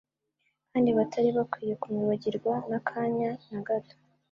kandi batari bakwiye kumwibagirwa n'akanya na gato.